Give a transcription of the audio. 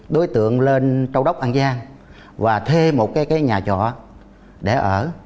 đối tượng lên châu đốc an giang và thuê một cái nhà trọ để ở